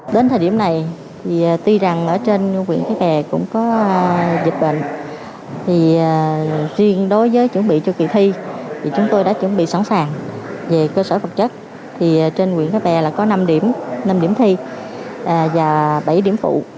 các phương án giáo viên học sinh trên tư thế chúng tôi đã chuẩn bị sẵn sàng cho cuộc thi